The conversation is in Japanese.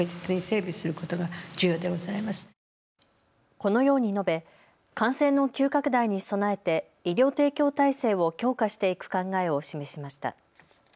このように述べ感染の急拡大に備えて医療提供体制を強化していく考えを示しました。